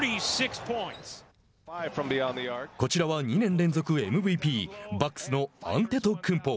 こちらは２年連続ＭＶＰバックスのアンテトクンポ。